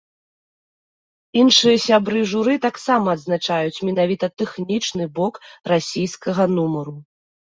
Іншыя сябры журы таксама адзначаюць менавіта тэхнічны бок расійскага нумару.